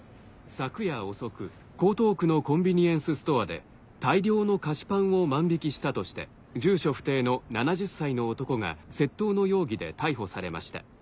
昨夜遅く江東区のコンビニエンスストアで大量の菓子パンを万引きしたとして住所不定の７０歳の男が窃盗の容疑で逮捕されました。